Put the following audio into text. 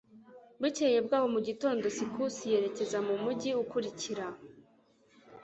bukeye bwaho mu gitondo, sikusi yerekeza mu mujyi ukurikira